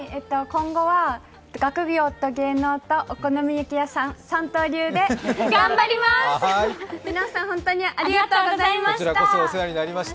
今後は学業と芸能とお好み焼き屋さん、三刀流で頑張ります。